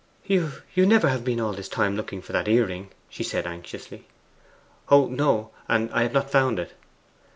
'You never have been all this time looking for that earring?' she said anxiously. 'Oh no; and I have not found it.